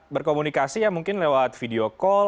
berkomunikasi ya mungkin lewat video call